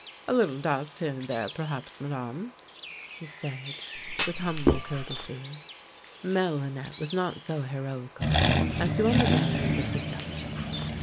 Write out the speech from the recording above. "" A little dust here and there perhaps, Madame," he said with humble courtesy. Madelinette was not so heroical as to undervalue the suggestion.